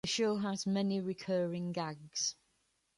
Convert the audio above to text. The show has many recurring gags.